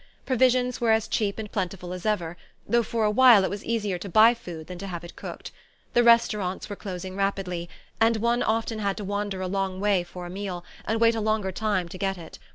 Provisions were as cheap and plentiful as ever, though for a while it was easier to buy food than to have it cooked. The restaurants were closing rapidly, and one often had to wander a long way for a meal, and wait a longer time to get it.